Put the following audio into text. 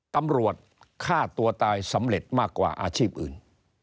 ตำรวจฆ่าตัวตายสำเร็จมากกว่าอาชีพอื่น